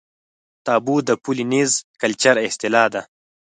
تابو د پولي نیزي کلچر اصطلاح ده.